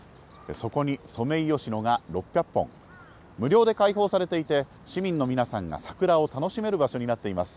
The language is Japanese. そこにソメイヨシノが６００本、無料で開放されていて、市民の皆さんが桜を楽しめる場所になっています。